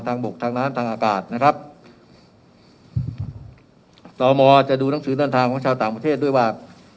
บกทางน้ำทางอากาศนะครับต่อมอจะดูหนังสือเดินทางของชาวต่างประเทศด้วยว่า